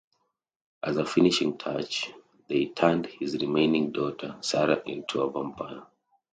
As a finishing touch, they turned his remaining daughter, Sarah, into a vampire.